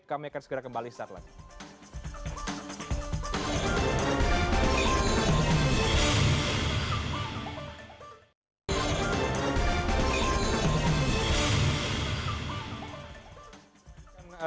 kami akan segera kembali saat lagi